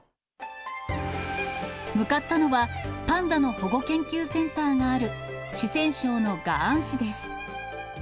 向かったのは、パンダの保護研究センターがある四川省の雅安市です。